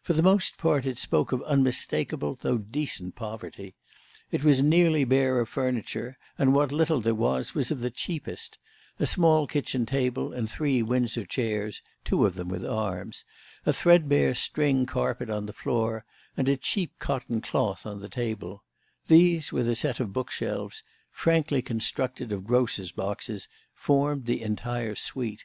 For the most part it spoke of unmistakable though decent poverty. It was nearly bare of furniture, and what little there was was of the cheapest a small kitchen table and three Windsor chairs (two of them with arms); a threadbare string carpet on the floor, and a cheap cotton cloth on the table; these, with a set of bookshelves, frankly constructed of grocer's boxes, formed the entire suite.